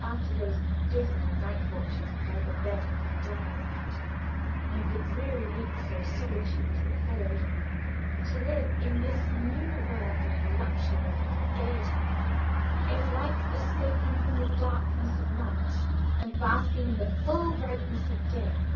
After those dismal night watches by the bed of her dying aunt, and the dreary weeks of solitude that followed, to live in this new world of luxury and gayety is like escaping from the darkness of night, and basking in the fall brightn ess of day.